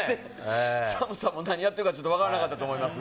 ＳＡＭさんも何やってるか、ちょっと分からなかったと思いますが。